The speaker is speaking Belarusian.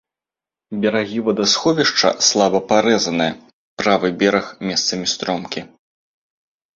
Берагі вадасховішча слаба парэзаныя, правы бераг месцамі стромкі.